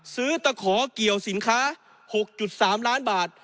ตะขอเกี่ยวสินค้า๖๓ล้านบาท